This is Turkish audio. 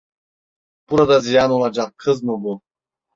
Burada ziyan olacak kız mı bu?